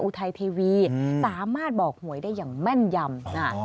ไทยเทวีสามารถบอกหวยได้อย่างแม่นยำ